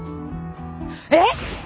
えっ！